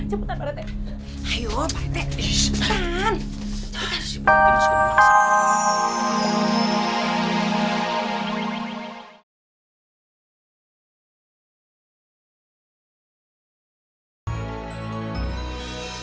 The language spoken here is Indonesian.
cepetan pak rete